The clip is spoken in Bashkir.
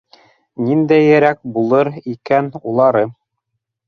Ниндәйерәк булыр икән улары?